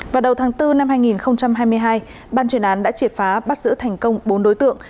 vào đầu tháng bốn năm hai nghìn hai mươi hai ban chuyển án đã triệt phá bắt giữ thành công bốn đối tượng